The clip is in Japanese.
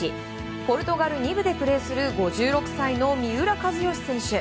ポルトガル２部でプレーする５６歳の三浦知良選手。